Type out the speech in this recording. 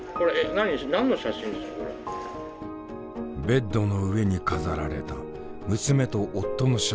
ベッドの上に飾られた娘と夫の写真。